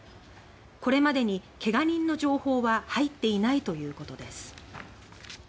これまでに怪我人の情報は入っていないということです。